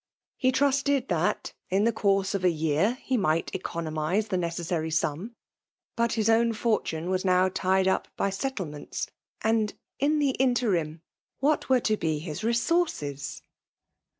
He trusted that/ in the tourse of B year, he nnght economize the necessary sum. But ins own fortune was now tied up by set* tieraents ; and, in the interim, what were to be Usresooroes?